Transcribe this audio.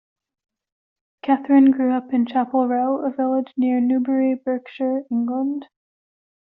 Catherine grew up in Chapel Row, a village near Newbury, Berkshire, England.